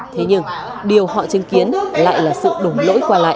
thế nhưng điều họ chứng kiến lại là sự đổng lỗi qua lại